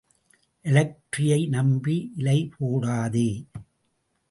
எலக்ட்ரியை நம்பி இலை போடாதே.